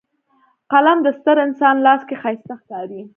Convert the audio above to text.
قلم د ستر انسان لاس کې ښایسته ښکاري